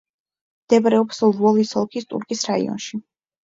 მდებარეობს ლვოვის ოლქის ტურკის რაიონში.